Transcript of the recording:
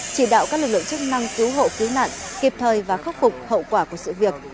chỉ đạo các lực lượng chức năng cứu hộ cứu nạn kịp thời và khắc phục hậu quả của sự việc